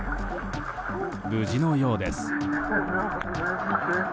無事のようです。